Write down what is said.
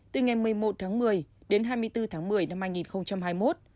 từ ngày một mươi một tháng một mươi đến hai mươi bốn tháng một mươi năm hai nghìn hai mươi một